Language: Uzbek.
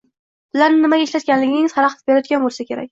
pullarni nimaga ishlatganligingiz xalaqit berayotgan bo‘lsa kerak.